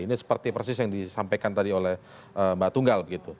ini seperti persis yang disampaikan tadi oleh mbak tunggal